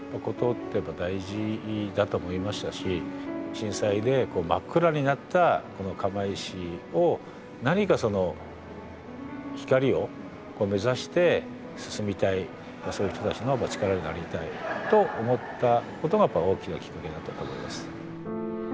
震災で真っ暗になったこの釜石を何かそのそういう人たちの力になりたいと思ったことが大きなきっかけだったと思います。